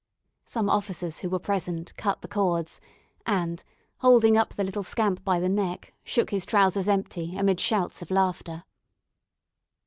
Some officers, who were present, cut the cords, and, holding up the little scamp by the neck, shook his trowsers empty amid shouts of laughter.